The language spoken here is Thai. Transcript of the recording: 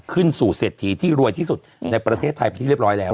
ขึ้นสู่เศรษฐีที่รวยที่สุดในประเทศไทยไปที่เรียบร้อยแล้ว